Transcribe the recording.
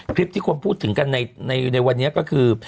คลิปที่คนพูดถึงกันในวันนี้ก็คือ